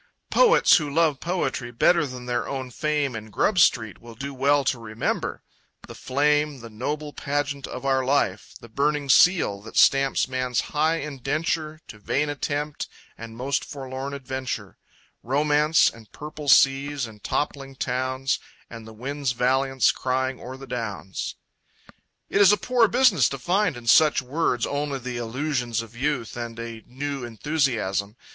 Poets who love poetry better than their own fame in Grub Street will do well to remember The flame, the noble pageant of our life; The burning seal that stamps man's high indenture To vain attempt and most forlorn adventure; Romance and purple seas, and toppling towns, And the wind's valiance crying o'er the downs. It is a poor business to find in such words only the illusions of youth and a new enthusiasm.